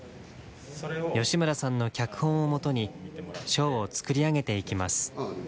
吉村さんの脚本をもとにショーを作り上げていきます。